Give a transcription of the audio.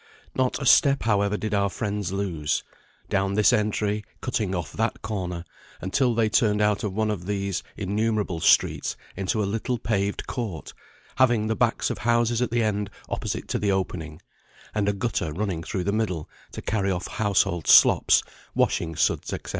Not a step, however, did our friends lose; down this entry, cutting off that corner, until they turned out of one of these innumerable streets into a little paved court, having the backs of houses at the end opposite to the opening, and a gutter running through the middle to carry off household slops, washing suds, &c.